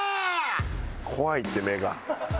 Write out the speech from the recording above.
怖いって目が。